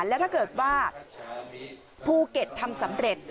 แล้วถ้าเกิดว่าภูเก็ตทำสำเร็จ